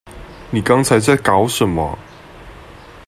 你剛才在搞什麼？